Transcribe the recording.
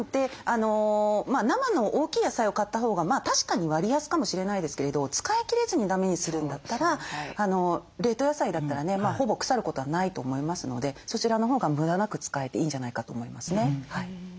生の大きい野菜を買ったほうが確かに割安かもしれないですけれど使いきれずにだめにするんだったら冷凍野菜だったらねほぼ腐ることはないと思いますのでそちらのほうが無駄なく使えていいんじゃないかと思いますね。